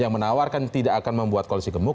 yang menawarkan tidak akan membuat koalisi gemuk